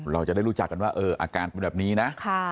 เราจะได้รู้จักกันว่าอาการเป็นแบบนี้นะ